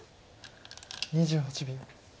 ２８秒。